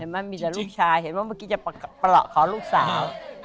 มันมีแต่ลูกชายเห็นว่าเมื่อกี้จะประหลาดขอลูกสาว